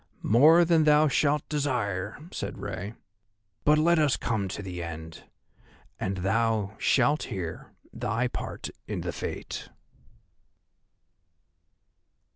"More than thou shalt desire," said Rei; "but let us come to the end, and thou shalt hear thy part in the Fate."